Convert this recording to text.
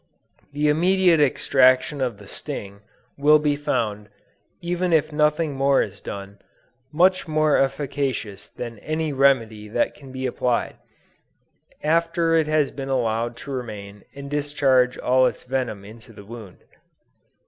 The immediate extraction of the sting, will be found, even if nothing more is done, much more efficacious than any remedy that can be applied, after it has been allowed to remain and discharge all its venom into the wound.